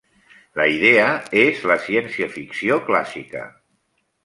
La idea és la ciència-ficció clàssica.